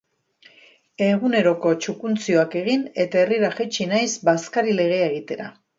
Eguneroko txukuntzioak egin eta herrira jaitsi naiz bazkari-legea egitera.